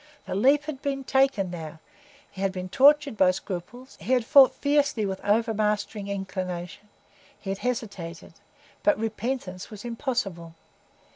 The leap had been taken now; he had been tortured by scruples, he had fought fiercely with overmastering inclination, he had hesitated; but repentance was impossible.